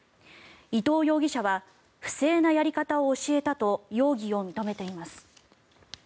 伊藤容疑者は不正なやり方を教えたと容疑を認めています。